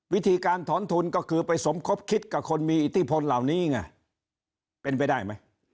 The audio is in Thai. วิธีการถอนทุนก็คือไปสมคบคิดกับคนมีอิทธิพลเหล่านี้ไงเป็นไปได้ไหม